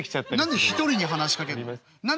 何で１人に話しかける？